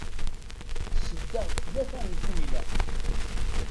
Sseddaɣ-d tlata ifuyla.